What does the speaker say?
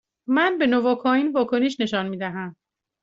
من به نواکائین واکنش نشان می دهم.